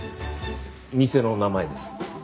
店の名前です。